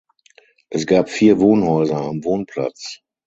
Es gab vier Wohnhäuser am Wohnplatz.